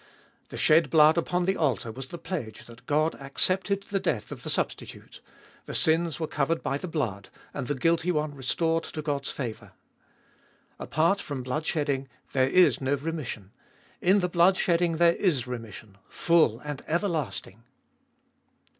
The shed blood upon the altar was the pledge that God accepted the death of the substitute : the sins were covered by the blood, and the guilty one restored to God's favour. Apart from blood shedding there is no remission; in the blood shedding there is remission, full and everlasting.